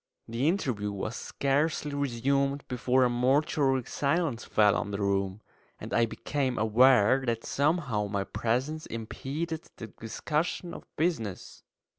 The interview was scarcely resumed before a mortuary silence fell on the room, and I became aware that somehow my presence impeded the discussion of business.